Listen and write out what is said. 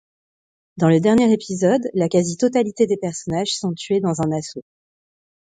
Dans le dernier épisode, la quasi-totalité des personnages sont tués dans un assaut.